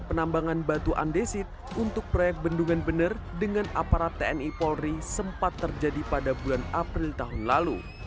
penambangan batu andesit untuk proyek bendungan bener dengan aparat tni polri sempat terjadi pada bulan april tahun lalu